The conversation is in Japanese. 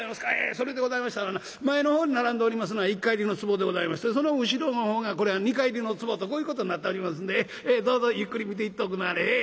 それでございましたらな前の方に並んでおりますのが一荷入りのつぼでございましてその後ろの方が二荷入りのつぼとこういうことになっておりますんでどうぞゆっくり見ていっておくんなはれ。